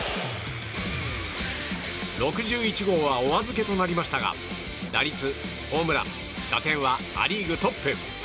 ６１号はお預けとなりましたが打率、ホームラン、打点はア・リーグトップ。